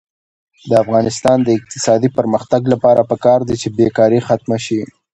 د افغانستان د اقتصادي پرمختګ لپاره پکار ده چې بېکاري ختمه شي.